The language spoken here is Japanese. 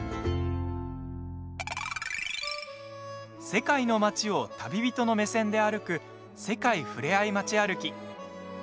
世界の街を旅人の目線で歩く「世界ふれあい街歩き」。